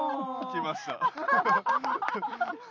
きました。